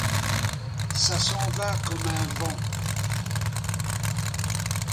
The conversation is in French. Ça s'en va comme un vent.